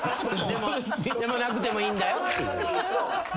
でもなくてもいいんだよっていう。